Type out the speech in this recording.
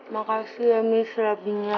makasih ya miss serabinya